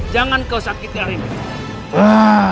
jangan kau sakiti arimbi